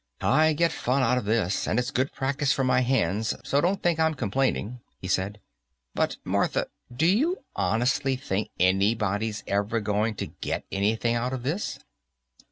"I get fun out of this, and it's good practice for my hands, so don't think I'm complaining," he said, "but, Martha, do you honestly think anybody's ever going to get anything out of this?"